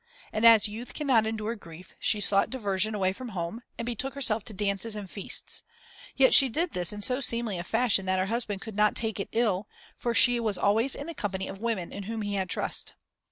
And as youth cannot endure grief, she sought diversion away from home, and betook herself to dances and feasts; yet she did this in so seemly a fashion that her husband could not take it ill, for she was always in the company of women in whom he had trust.